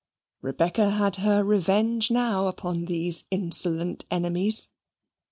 Rebecca had her revenge now upon these insolent enemies.